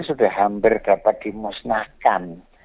sudah hampir dapat dimusnahkan